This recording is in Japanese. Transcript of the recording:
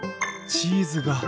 チーズが。